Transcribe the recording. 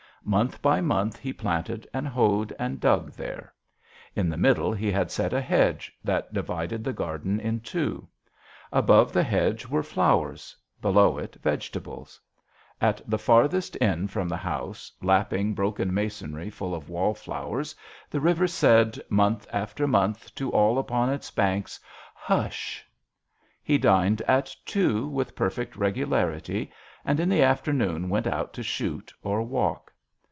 Month by month he planted and hoed and dug there. In the middle he had set a hedge that divided the garden in two. Above the hedge were flowers ; below it, vege tables. At the furthest end from JOHN SHERMAN. 23 the house, lapping broken masonry full of wallflowers, the river said, month after month to all upon its banks, " Hush !" He dined at two with perfect regularity, and in the afternoon went out to shoot or walk.